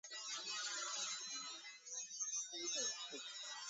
埃军接下来数月的更多炮击导致以军一定的伤亡。